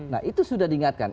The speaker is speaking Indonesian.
nah itu sudah diingatkan